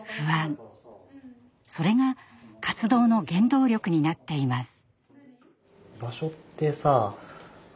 それが活動の原動力になっています。